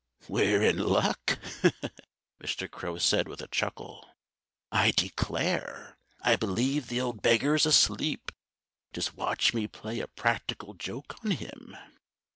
"We're in luck!" Mr. Crow said with a chuckle. "I declare, I believe the old beggar's asleep. Just watch me play a practical joke on him!"